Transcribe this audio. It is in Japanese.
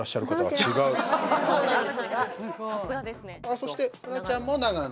そして、そらちゃんも長野。